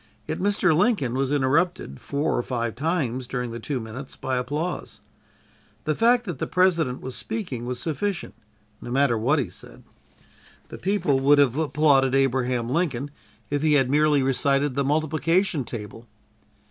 Yet Mr. Lincoln was interrupted four or five times during the two minutes by applause. The fact that the President was speaking was sufficient, no matter what he said. The people would have applauded Abraham Lincoln if he had merely recited the multiplication table!